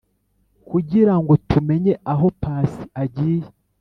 kugirango tumenye aho pasi agiye ...